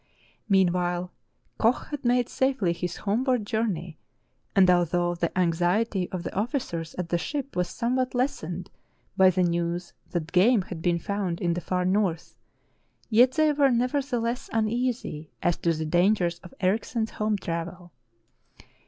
Meanwhile, Koch had made safely his homeward journey, and, although the anxiety of the officers at the ship was somewhat lessened by the news that game had been found in the far north, yet they were neverthe less uneasy as to the dangers of Erichsen's home travel.